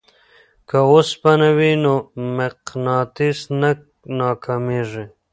که اوسپنه وي نو مقناطیس نه ناکامیږي.